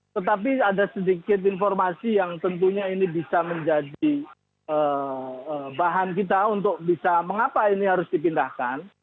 tetapi ada sedikit informasi yang tentunya ini bisa menjadi bahan kita untuk bisa mengapa ini harus dipindahkan